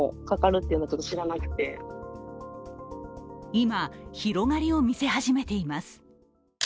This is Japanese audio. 今、広がりを見せ始めています。